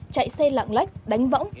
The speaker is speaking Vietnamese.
chạy xe lạng lách đánh võng